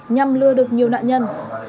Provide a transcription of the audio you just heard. nhằm lừa được nhiều nạn nhân